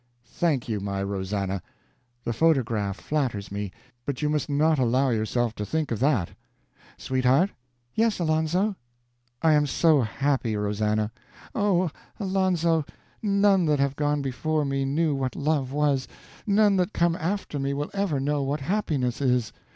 "Thank you, my Rosannah! The photograph flatters me, but you must not allow yourself to think of that. Sweetheart?" "Yes, Alonzo." "I am so happy, Rosannah." "Oh, Alonzo, none that have gone before me knew what love was, none that come after me will ever know what happiness is.